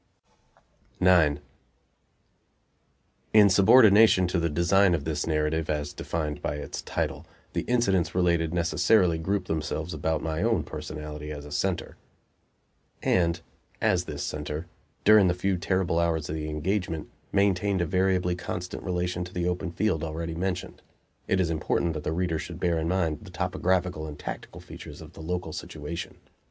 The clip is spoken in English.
IX In subordination to the design of this narrative, as defined by its title, the incidents related necessarily group themselves about my own personality as a center; and, as this center, during the few terrible hours of the engagement, maintained a variably constant relation to the open field already mentioned, it is important that the reader should bear in mind the topographical and tactical features of the local situation.